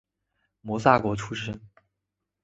萨摩国出身。